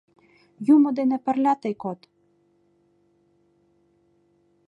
Юмо ден пырля тый код».